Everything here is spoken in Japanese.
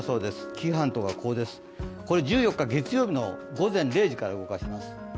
紀伊半島がここです、１４日月曜日の午前０時から動かします。